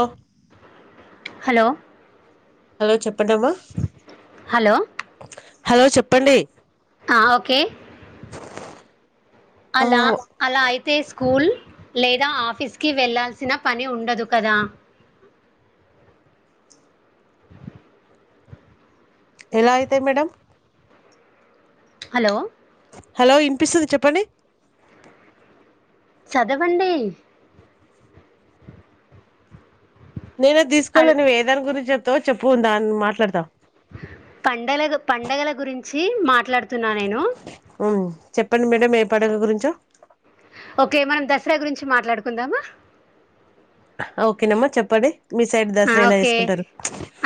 ఒ hello hello చెప్పండమ్మ hello hello చెప్పండి ఆ ఓకే ఆ అలా అలా అయితే స్కూల్ లేదా ఆఫీస్కి వెళ్ళాల్సిన పని ఉండదు కదా ఎలా అయితే మేడమ్ హలో హలో ఇనిపిస్తుంది చెప్పండి చదవండి నేనే అది తీసుకోెలే అల్ నువ్ ఏ దాని గురించి చెప్ చెప్పుకుందా నేను మాట్లాడతా పండల పండగల గురించి మాట్లాడ ఉం చెప్పండి మేడం ఏ పండగ గురించో ఓకే మనం దసరా గురించి మాట్లాడుకుందామా ఓకేనమ్మా చెప్పండి మీ సైడ్ ఆ, దసరా ఎలా ఓకే చేసుకుంటారు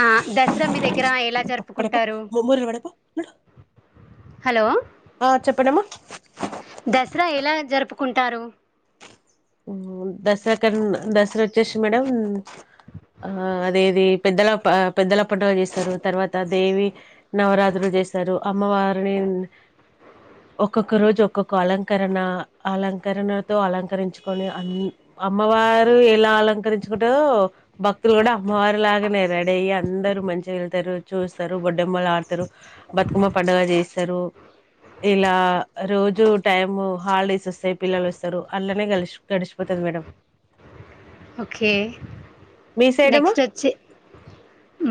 ఆ, దసరా మీ దగ్గర ఎలా జరుపుకుంటారు హలో ఆ చెప్పండమ్మ కుంటారు దసరా క దసరా వచ్చేసి మేడమ్ ఆ అదే అదే పెద్దల పెద్దల పండుగ చేస్తారు తర్వాత దేవి నవరాత్రు చేశారు అమ్మవారిని ఒక్కొక్క రోజు ఒక్కొక్క అలంకరణ అలంకరణతో అలంకరించు కుని అమ్మవారు ఎలా అలంకరించుకుంటారో భక్తులు కూడా అమ్మవారు లాగానేడయ్య అందరు మంచిగా వెళ్తారు చూస్తారు బొడ్డెమ్మలు ఆడుతారు బతుకమ్మ పండుగ చేస్తారు ఇలా రోజు టైం హాలిడేస్ వస్తాయి పిల్లలు వస్తారు అల్లనే కలిశి గడిచిపోతది మేడం ఓకే మీ సైడ్ ఏమో నెక్స్ట్ వచ్చి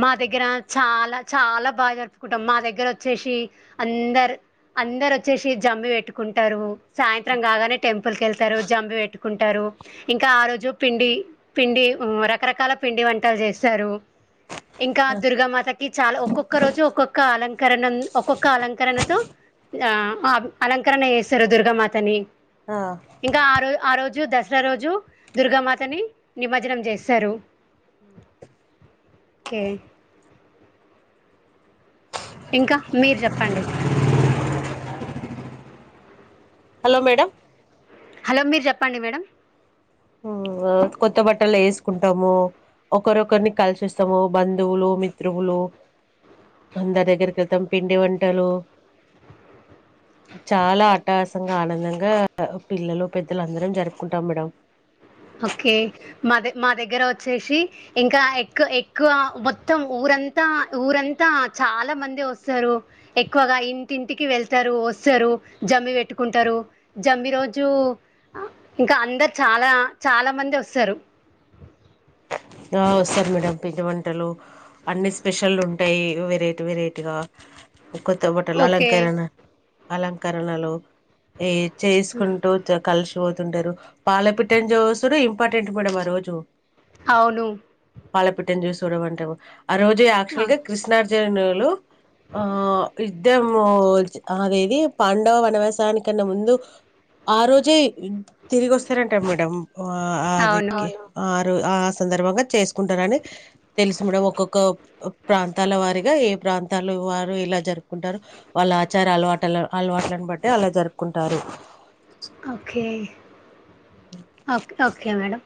మా దగ్గర చాలా చాలా బాగా జరుపుకుంటాం మా దగ్గర వచ్చేసి అందరు అందరు వచ్చేసి జమ్మి పెట్టుకుంటారు సాయంత్రం కాగానే టెంపుల్ కెళ్తారు జంబి పెట్టు కుంటారు ఇంకా ఆ రోజు పిండి పిండి రకరకాల పిండి వంటలు చేస్తారు ఇంకా దుర్గామాతకి చాలా ఒక్కొక్క రోజు ఒక్కొక్క అలంక కరణం ఒక్కొక్క అలంకరణతో ఆ అలంకరణ చేస్తారు దుర్గామాతని ఆ ఇంకా ఆరోజ ఆ రోజు దసరా రోజు దుర్గామాత ని నిమజ్జనం చేస్తారు కే ఇంకా మీరు జేప్పండి. హలో మేడం హలో మీరు జెప్పండి. మేడం హ్ ఆ కొత్త బట్టలు ఏసుకుంటాము. ఒకరొకరిని కలిసి వోస్తాము. బంధువులు మిత్రువులు అందరి దగ్గరికి ఏళ్తాము. పిండి వంటలు చాలా అట్టహాసంగా ఆనందంగా పిల్లలు పెద్దలు అందరం జరుపుకుంటాం. మేడం ఓకె మా మా దగ్గర వోచ్చేసి ఇంకా ఎక్కు ఎక్కువ మొత్తం ఊరంతా ఊరంతా చాలా మంది వస్తారు. ఎక్కువగా ఇంటింటికి వెళ్తారు వస్తారు. జమ్మి పెట్టుకుంటారు. జమ్మి రోజు ఇంకా అందరు చాలా చాలామంది వస్తారు ఆ వస్తారు మేడం పిండి వంటలు అన్ని స్పెషల్లు ఉంటాయి. వెరైటీ వెరైటీగా కొత్తబట్టలు ఓకే అలంకరణ అలంకరణ లు ఏ చేసుకుంటూ జరు కలిసిపోతుంటారు. పాలపిట్టని జుసుడు ఇంపార్టెంట్ మేడం ఆ రోజు అవును పాలపిట్టను జుసుడు అంటె ఓ ఆ రోజు ఆ, యాక్చువల్గా కృష్ణార్జున ను లో ఆ యుద్ధము వచ్చి అదేది పాండవ వనవాసానికన్నా ముందు ఆ రోజే తిరిగి వస్తారంటా మేడం ఓ ఆది అవును కె ఓ అది రు ఆ స్ సందర్భంగా చేసుకుంటారని తెలుసు మేడం ఒక్కొక్క ఒక ప్రాంతాల వారిగా ఏ ప్రాంతాల వారు ఇలా జరుపుకుంటారు. వాళ్ళ ఆచార అలవాటా అలవాట్లను బట్టి అలా జరుపుకుంటారు. Okay okay okay madam